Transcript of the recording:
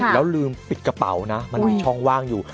แล้วลืมปิดกระเป๋านะมันมีช่องว่างอยู่